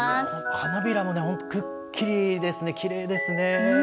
花びらも本当にくっきりですね、きれいですね。